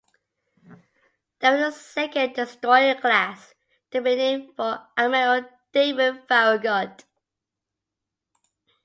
They were the second destroyer class to be named for Admiral David Farragut.